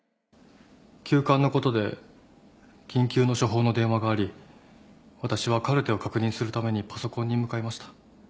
急患のことで緊急の処方の電話があり私はカルテを確認するためにパソコンに向かいました。